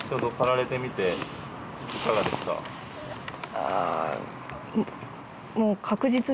ああ。